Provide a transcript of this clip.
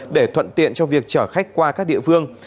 để thuận tiện cho việc chở khách qua các địa phương